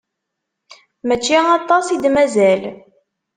Mačči aṭas i d-mazal.